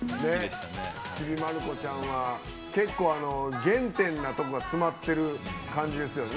「ちびまる子ちゃん」は結構、原点名ところ詰まってる感じですよね。